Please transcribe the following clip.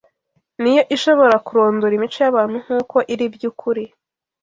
niyo ishobora kurondora imico y’abantu nk’uko iri by’ukuri